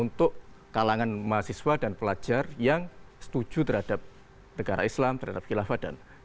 untuk kalangan mahasiswa dan pelajar yang setuju terhadap negara islam terhadap khilafah dan